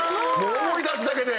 思い出すだけで。